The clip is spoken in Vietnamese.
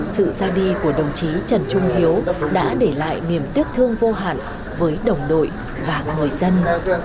sự ra đi của đồng chí trần trung hiếu đã để lại niềm tiếc thương vô hạn với đồng đội và người dân